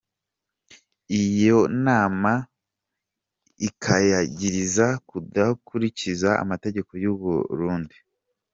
Iyo nama ikayagiriza kudakurikiza amategeko y'uburundi.